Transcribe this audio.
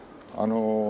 あの。